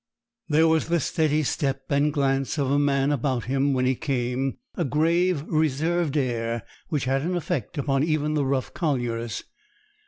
There was the steady step and glance of a man about him when he came a grave, reserved air, which had an effect upon even the rough colliers.